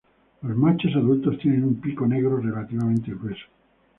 Los machos adultos tienen un pico negro relativamente grueso.